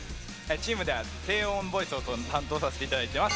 チームでは低音ボイスを担当させていただいてます。